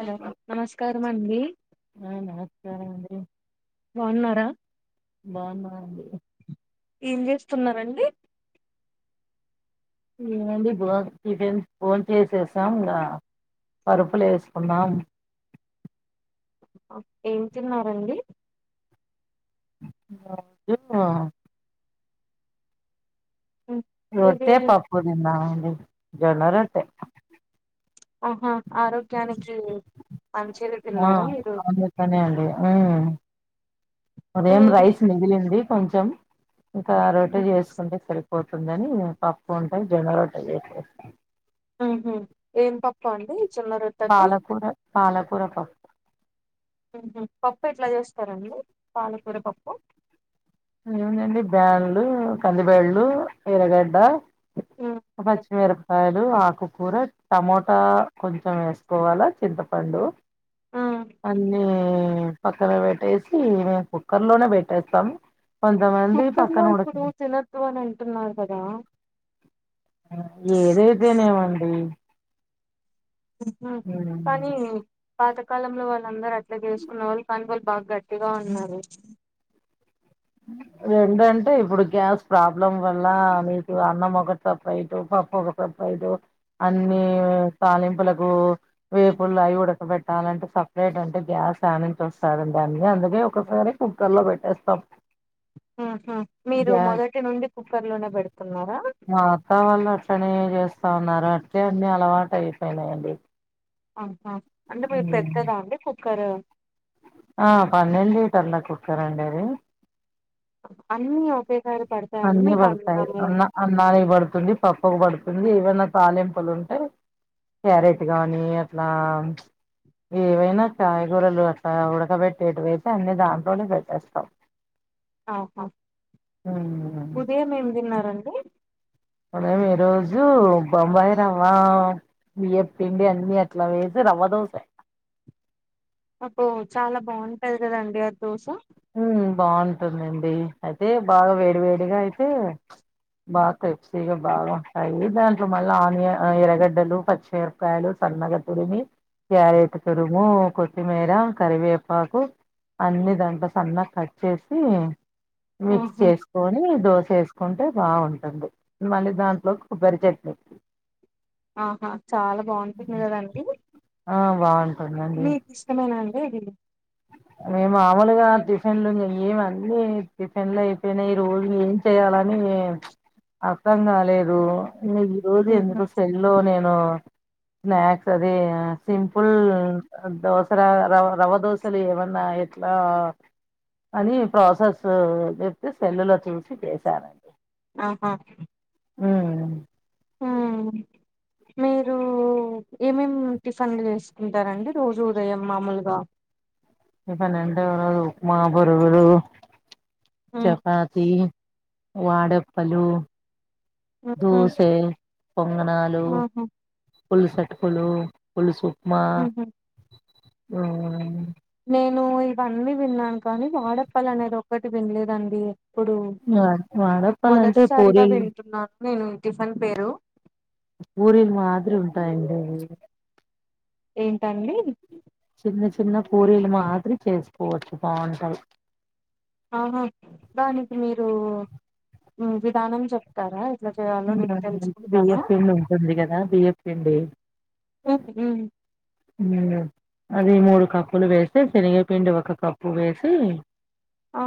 Hello నమస్కారం అండి. ఆ నమస్కారం బావున్నారా. బాగునా అండి ఇ. ఏం జెస్తున్నారండి. ఏమండి బోన్ టిఫిన్ చేసాముగా, పరుపులెసుకున్నాాం. ఏం తిన్నారండి. [unintelligible] మీది రొట్టె పప్పు, తిన్నమంది, జోన్న రొట్టె. ఆహా, ఆరోగ్యానికి. మంచిది ఆ తిన్నారా మీరు అందుకనే, అండి, ఉమ్. ఉదయం, రైస్, మిగిలింది, కొంచెం, ఇంకా, రోట్టే, జెసుకుంటే, సరి. పోతుందనీ, అ పప్పుఉంటే జొన్న, రొట్టె, జెసేస్తా. హు హు ఏం పప్పు, అండి, జొన్న, రొట్టనా. పాలకూర పాలకూర పప్పు. హు హు పప్పు, ఎట్లా, జెస్తారండి, పాలకూర, పప్పు. ఏముందండి, బ్యాన్లు, కందిబేళ్లు, ఎర్రగడ్డ. పచ్చిమిరపకాయలు, ఆకుకూర, టమోటా, కొంచం. మొత్తం, ఎసుకోవాలె, చింతపండు, ఆ అన్నీ, ఏ. పక్కన, వెట్టేసి, మేము, కుక్కర్ లోనే, బెట్టేత్తమ్. కుక్కర్ లో ఇప్పుడు, తినొద్దు, అని, అంటున్నారు, గదా. ఏదైతేనేమండి. ఉ కానీ. పాతకాలంలో, వాళ్ళందరుూ, అట్లా, జెసుకున్న వాళ్ళు, కానీ వాళ్ళు, బాగా గట్టిగా, ఉన్నారు. రెండు అంటే ఇప్పుడు గ్యాస్. ప్రాబ్లం వల్ల, మీకు, అన్నం, ఒక సపరైటు పప ఒక సపరైటు అన్ని ఏ. తాలింపులకు, తెలిపులకు వేపుుల్లయివేపుల్లు అయ్ గుడ వేపుల్లు, ఉడక బెట్ట. తనటే స్ప్రెట్ అంటేచట్టాలంటే సపరేట్ అంటే గ్యాస్ యానించి వస్తాడుడి అ అందుకే ఒకసారి కుక్కర్ లో పెట్టేస్తాం అ హ మీరు, గ్యాస్ మొదటి, నుండి, కుక్కర్ లోనే, పెడుతున్నారా. తనూ జేస్తా, ఉన్నారు, అంటే, అన్ని, అలవాటు, అయిపోయినాయండి. ఆహా అంటే, మీది, పెద్దదా, అండి, కుక్కరు. ఆ పన్నెలీటర్ర, కుక్కారండి, అది. అన్నీ ఒకే సారీ. అన్ని పడాయి అన్నానికి బడుతుంది పప్పకు బడుతుంది ది ఈవెన్ కాలింపులు ఉంటే క్యారెట్ గానీ అట్లా ఏవైనా కాయగూరలు అట్లా ఉడకబెట్టేటువేతే అన్ని దాంట్లోనే పెట్టేస్తాం ఆహా ఉదయం ఏం తిన్నారండి అ మీ ఈ రోజు బొంబాయి రవ్వ బియ్య పిండి అన్ని అట్లా వేసి రవ్వదోసాయి అబ్బో చాలా బాగుంటది కదండి ఆది దోస బాగుంటుందండి అయితే బాగా వేడి వేడిగా అయితే బా రిప్సీగా బాగా అవి దాంట్లో మళ్ళా ఆనియా ఎరగడ్డలు పచ్చిమిరపకాయలు సన్నగ తురిమి క్యారెట్ తురుము కొత్తిమీర కరివేపాకు అన్ని ద సన్న కట్ చేసి మిక్స్ ఆహా చేసుకొని దోస చేసుకుంటే బాగుంటుంది మళ్ళీ దాంట్లో కొబ్బరి చట్నీ ఆహా చాలా బాగుంటుంది కదాండి ఆ బాగుంటుందండి మీకు ఇష్టమైన అండి అది మేము మామలుగా టిఫిన్ లో ఏమంది టిఫిన్ లో అయిపోయినా ఈ రోజు ఏం చెయాలని అర్థం కాలేదు ఇ ఈ రోజు ఉహు ఎందుకు సెల్ లో నేను స్నాక్స్ అదే సింపుల్ దోస ర రవ్వదోస లు ఏమన్నా ఎట్లా అని ప్రాసెస్ చెప్తే సెల్లులో చూసి చేసారండి ఆహా ఉ ఉ మీరు ఏమేమి టిఫిన్లు చేసుకుంటారండి రోజు ఉదయం మామూలుగా టిఫిన్ అంటే ఓ రోజు ఉప్మా ఓ రోజు ఉమ్ చపాతి వాడప్పలు ఉహు దూసే పొంగనాలు ఆహా పుల్సటుకులు పులుసు ఉప్మా ఉహు నేను ఇవన్నీ విన్నాను కానీ వాడప్పలు అనేది ఒక్కటి వినలేదండి ఎప్పుడు వా- వాడప్పాలంటే మొదటిసారిగా పూరీలు వింటున్నాను నేను టిఫిన్ పేరు ఊరిల్ మాదిరి ఉంటాయండి అవి ఏంటండి చిన్న చిన్న పూరీలు మాదిరి చేసుకోవచ్చు బాగుంటారు ఆహా దానికి మీరు మ్ విధానం చెప్తారా ఎట్లా చేయాలో నేను తెలుసుకుంటాను బియ్యప్పిండి ఉంటుంది కదా బియ్యప్పిండి ఉ అది మూడు కప్పులు వేసి శనగపిండి ఒక కప్పు వేసి ఆ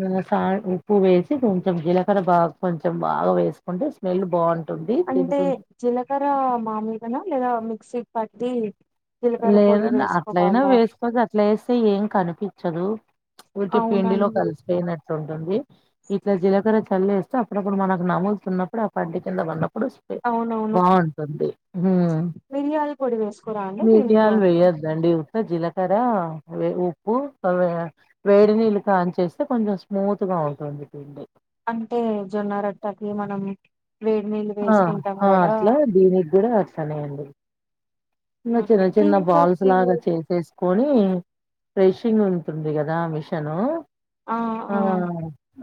మ్ సా ఉప్పు వేసి కొంచెం జీలకర బా కొంచెం బాగా వేసుకుంటే స్మెల్ బాగుంటుంది అంటే తింటుం జీలకర మామూలుగానే లేదా మిక్సీ బట్టి లేదండి అట్లయినా వేసుపోతే అట్లా వేస్తే ఏం కనిపించదు ఊరికే పిండిలో అవునండి కలిస్పయి ఉంటుంది ఇట్లా జీలకర చల్లి వేస్తే అప్పుడప్పుడు మనకు నములుతున్నప్పుడు ఆ పంటి కింద ఉన్నప్పుడు అప్పుడు అవునవును బాగుంటుంది ఉమ్ మిరియాల పొడి వేసుకోరా అండి దీంతో మిరియాలు వేయ్యద్దండి ఉత్త జీలకర ఉప్పు సవ వేడి నీళ్లు కాయిన్ చేసి కొంచెం స్మూత్ గా ఉంటుంది పిండి అంటే జొన్న రొట్టెకి మనం వేడి నీళ్ళు ఆ వేసుకుంటాం ఆ కదా అట్లా దీనికి కూడా అట్లానే అండి ఇక చిన్న చిన్న బాల్స్ దీంతోకి లాగా చేసేసుకొని ఫ్రెషింగ్ ఉంటుంది కదా మిషను ఆ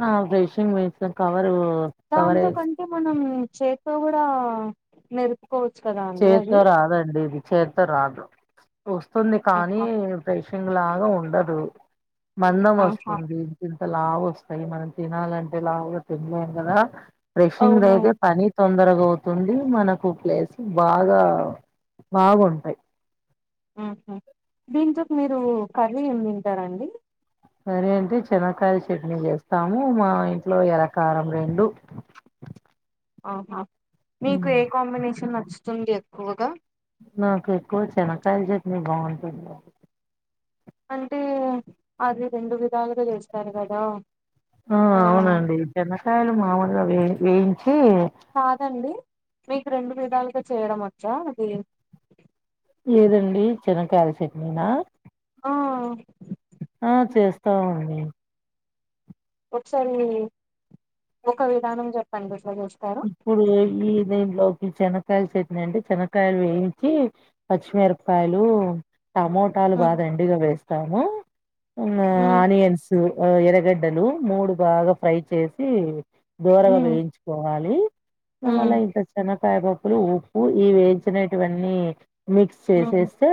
ఆ వేషింగ్ మెషన్ కవరు కవర్ దాంతో కంటే మనం చేతితో కూడా నేరుపు చేతో రాదండి ఇది చేతో రాదు వస్తుంది కానీ ఆహా ప్రేషింగ్ లాగా ఉండదు మందం ఆహా వస్తుంది ఇంత లావు వ స్తాయి మనం తినాలంటే లావుగా తినలేం కదా ఫ్రెషింగ్ అయితే అవునవును పని తొందరగా అవు తుంది మనకు ప్లేస్ బాగా బాగుంటాయి ఆహా దీనితోటి మీరు కర్రీ ఏం తింటారండి కర్రి అంటే చనకాయల చట్నీ చేస్తాము మా ఇంట్లో ఎర్రకారం రెండు ఆహా మీకు ఏ కాంబినేషన్ నచ్చుతుంది ఎక్కువగా నాకు ఎక్కువ చనకాయలు చేట్ని బాగుంటది అంటే అది రెండు విధాలుగా చేస్తా ఆ అవునండి చనకాయలు మాముూలుగా వే వేయించి కాదండి మీకు రెండు విధాలుగా చేయడం వచ్చా అది ఏదండి చనకాయల చట్నీనా ఆ ఆ చేస్తామండి ఒకసారి ఒక విధానం చెప్పండి ఎట్లా చేస్తారో ఇప్పుడు ఏది దేంట్లో ఈ చనకాయల చట్నీ అంటే చనకాయలు వేయించి పచ్చిమిరపకాయలు టమోటాలు ఉమ్ బాగా ఎండిగా వేస్తాము ఆ ఉమ్ ఆనియన్స్ ఎరగడ్డలు మూడు బాగా ఫ్రై చేసి దోరగా వేయించుకో వాలి మ మళ్ళా ఉమ్ ఇంకా చెనకాయ పప్పులు ఉప్పు ఇ వేయించినటువన్నీ మిక్స్ ఉమ్ చేసేస్తే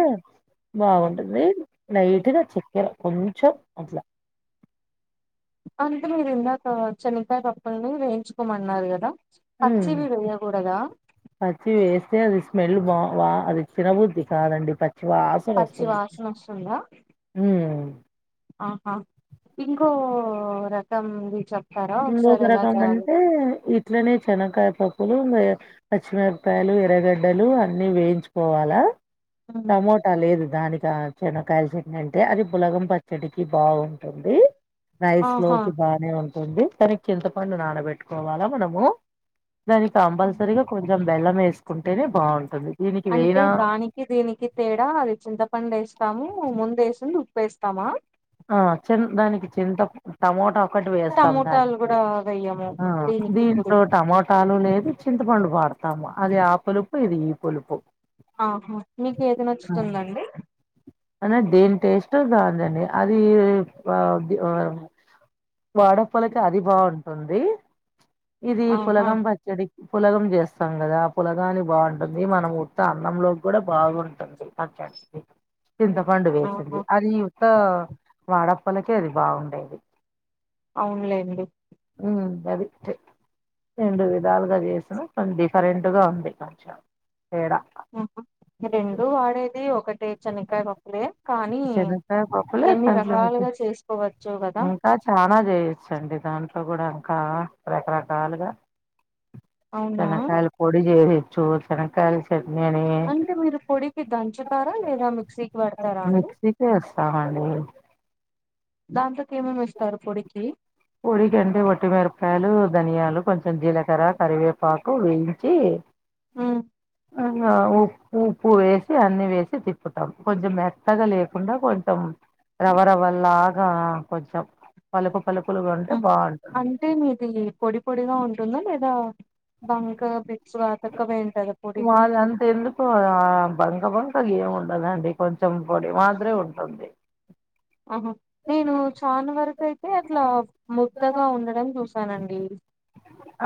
బాగుంటుంది లైట్గా చెక్కెర కొంచెం అట్లా అంటే మీరు ఇందాక చనకాయ పప్పుల్ని వేయించుకోమన్నారు కదా ఉమ్ పచ్చివి వెయ్యకూడదా పచ్చి వేస్తే అది స్మెల్ బా వా అది తిన్నబుద్ధి కాదండి పచ్చి వాసవ పచ్చి వస్తుంది వాసన వస్తుందా ఉమ్ ఆహా ఇంకో రకం ఉంది చెప్ప ఇంకొంక రకం అంటే ఇట్లనే చెనకాయ ప ప్పులు పచ్చిమిరపకాయలు ఎర్రగడ్డలు అన్ని వేయించుకోవాలా టమోటా లేదు దానికి ఆ చనకాయల చట్ని అంటే అది బులగం పచ్చడికి బాగుంటుంది రైస్ ఆహా లోకి బానే ఉంటుంది కానీ చింతపండు నానబెట్టుకోవాలా మనము దానికి కంపల్సరీగా కొంచెం బెల్లం వేసుకుంటేనే బాగుంటుంది దీనికి అంటే వేయినా దానికి దీనికి తేడా అది చింతపండు వే స్తాము ముందేసింది ఉప్పేస్తామా ఆ చి దానికి చింత టమోటా ఒకటి వేస్తాం టమోటాలు దానికి కూడా వెయ్యము ఆ దీనికి ఇప్పుడు దీంట్లో టమోటాలు లేదు చింతపండు వాడతాము అది ఆ పులుపు ఇది ఈ పులుపు ఆహా మీకు ఏది నచ్చుతుందండి అన దేన్ టేస్ట్ దాందే అండి అదీ ప ఆ వాడప్పలకి అది బాగుంటుంది ఇదీ ఆహా పులగం పచ్చడి పులగం జేస్తాం గదా పులగాని బాగుంటుంది మనము ఉత్త అన్నంలో గూడా బాగుంటుంది అ స పు చింతపండు వేసింది ఆహా అది యుత్త వాడప్పలకే అది బాగుండేది అవున్లేండి [unintelligible] రెండు విధాలుగా చేసిన కాన్ డిఫరెంట్గా ఉంది కొంచెం తేడా ఊహు రెండూ వాడేది ఒకటే చనే క రొండే కానీ శనగకాయ పప్పులే ఎన్ని దాంట్లో రకాలుగా చేసుకోవచ్చో గదా జేయోచ్చండి దానిక్ అగుడంకా రకరకాలుగా అవునా శనక్కాయల పొడి జేసి శెనక్కాయాల చట్ని అని ఏసి అంటే మీరు పొడికి దంచుతారా లేదా మిక్సీకి పెడతారా అండి మిక్సీకే ఏస్తామండి దాంతోకి ఏమేమి ఎస్తారు పొడికి పొడికంటే ఒట్టిమిరపాయలు, ధనియాలు, కొంచెం జీలకర్ర, కరివేపాకు, వేయించీ. ఉమ్, అనా ఓ ఉప్పు వేసి అన్ని వేసి తిప్పుతాం కొంచెం మెత్తగా లేకుండా కొంచెం రవ్వ రవ్వ లాగా కొంచెం పలుకు పలుకు ఉ అంటే మీది పొడి పొడిగా ఉంటుందా లేదా బంకగ పె వాళ్ళంత ఎందుకు ఆ బంగ బంగ్ టల్ ఏం ఉండదండి కొంచెం పొడి మాదిరే ఉంటుంది ఆహ నేను చాన వరకు అయితే అట్లా ముద్దగా ఉండడం చూసానండి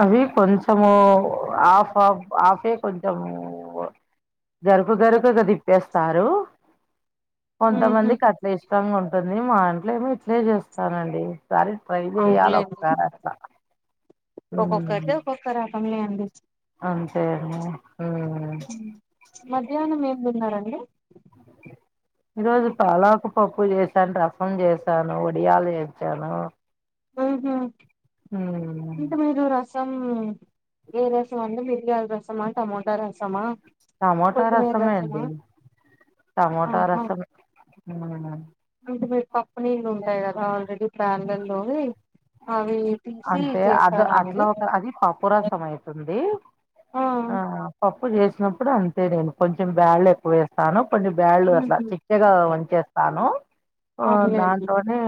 అవీ కొంచెము హఫ్ హఫ్ హాఫే కొంచెమూ గరుకు గరుకుగా దిప్పేస్తారు ఊహూ కొంతమందికి అట్లే ఇష్టంగా ఉంటుంది మా ఇంట్లే ఏమో ఇట్లే చేస్తానండి సారి ట్రై జెయ్యాల ఒకసారి అట్లా ఒక్కొక్కరిది ఉమ్, ఒక్కొక్క రకంలే అండి అంతే ఐన ఊమ్ మధ్యాహ్నం ఏం తిన్నారండి ఈరోజు పాలాకు పప్పు జేస్ కాన్ రసం జేశాను వడియాలు ఏంచాను ఊహు ఇంక మీరు రసం ఏ రసం అండి మిర్యాల్ రసమా టమోటా రసమా టమోటా కోతుమీర్ రసమే ఏసినా అండి టమోటా రసం ఊ ఇవి పప్పు నీళ్ళు ఉంటాయి కదా ఆల్రెడీ పాన్లల్లోవి అంటే అద అట్లా అండి ఒక అది పప్పురసం అయితుంది ఆ పప్పు జేసినప్పుడు అంతే నేను కొంచెం బ్యాళ్లు ఎక్కువ ఏస్తాను కొంజెం బ్యాళ్ళు అట్లా ఉహు చిక్కగా వంచేస్తాను ఓ అవునులేండి దాంట్లోనే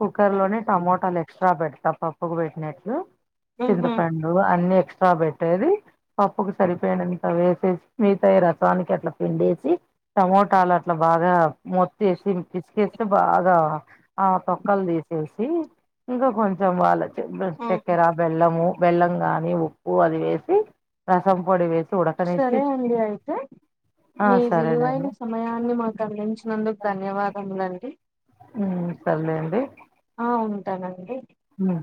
కుక్కర్ లోనే టమోటాలే ఎక్స్ట్రా పెడతా పప్పుకు బెట్టినట్లు ఉహు చింతపండు అన్ని ఎక్స్ సా బెట్టేది పప్పుకు సరిపోయినంత వేసేసి మిగతాయి రసానికి అట్లా పిండేసి టమోటాలు అట్లా బాగా మొత్తేసి పిసుకేసి బాగా ఆ తొక్కలు తీసేసి ఇంకా కొంచెం వాళ్ళ ఉహు చక్కెర బెల్లము బెల్లం గాని ఉప్పు అది వేసి రసం పొడి వేసి ఉడకనేసి సరే అండి అయితే ఆ మీ విలువ వైన సరేనండి సమయాన్ని మాకు అందించినందుకు ధన్యవాదములండి ఉ సరలేే అండి ఆ ఉంటానండి ఉ